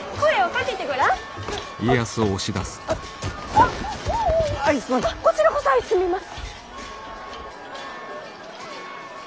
あっこちらこそ相すみませ。